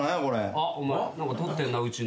あっ何かとってんなうちの。